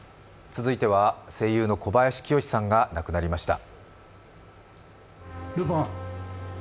続いては、声優の小林清志さんが亡くなりました。